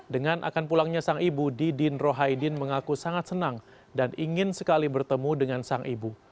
dengan akan pulangnya sang ibu didin rohaidin mengaku sangat senang dan ingin sekali bertemu dengan sang ibu